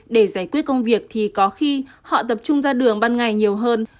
để giải quyết công việc thì có khi họ tập trung ra đường ban ngày nhiều hơn